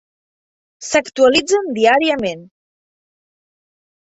S'actualitzen diàriament.